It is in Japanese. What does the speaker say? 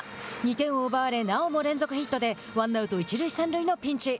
２点を奪われなおも連続ヒットでワンアウト一塁三塁のピンチ。